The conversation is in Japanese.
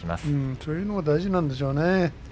そういうのが大事なんでしょうね。